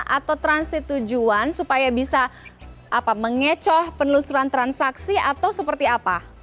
atau transit tujuan supaya bisa mengecoh penelusuran transaksi atau seperti apa